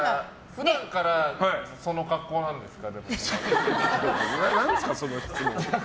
普段からその恰好なんですか？